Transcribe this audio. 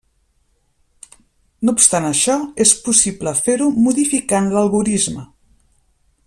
No obstant això, és possible fer-ho modificant l'algorisme.